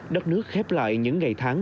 đất nước khép lại những ngày tháng